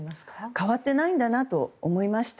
変わっていなんだなと思いました。